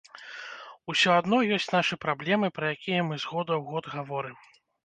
Усё адно ёсць нашы праблемы, пра якія мы з года ў год гаворым.